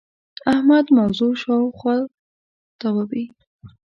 احمد موضوع شااوخوا تاووې.